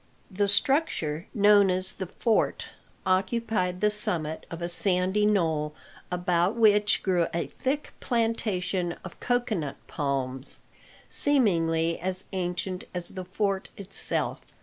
The structure known as "the fort" occupied the summit of a sandy knoll, about which grew a thick plantation of cocoanut palms, seemingly as ancient as the fort itself.